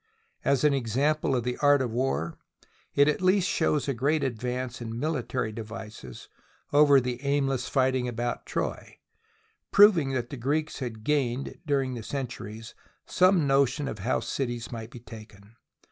As an example of the art of war, it at least shows a great advance in military devices over the aimless righting about Troy, proving that the Greeks had gained during the centuries some notion of how cities might be taken.